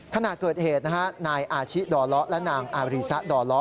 ขณะเกิดเหตุนะฮะนายอาชิดอเลาะและนางอารีซะดอล้อ